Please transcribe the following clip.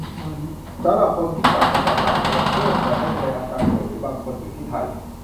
สำหรับคนที่กลับมาจากต่างประเทศ แต่ไม่แสดงอาการป่วย หรือบางคนอยู่ที่ไทย